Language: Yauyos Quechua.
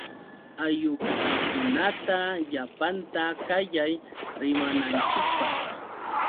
Aylluykikunata llapanta qayay rimananchikpaq.